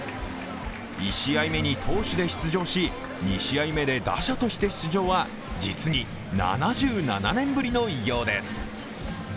１試合目に投手で出場し２試合目に打者として出場は実に７７年ぶりの偉業です。